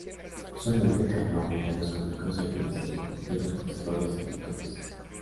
Usualmente encarnó a malvados cómicos y a policías, porteros, boxeadores y matones.